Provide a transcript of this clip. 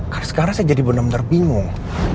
karena sekarang saya jadi bener bener bingung